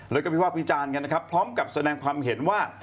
แล้วก็พี่ว่าพี่จานกันนะครับพร้อมกับแสดงความเห็นว่า